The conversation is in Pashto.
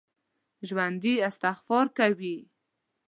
ژوندي استغفار کوي